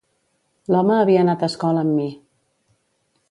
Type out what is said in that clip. L'home havia anat a escola amb mi.